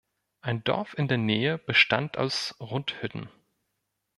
Ein Dorf in der Nähe bestand aus Rundhütten.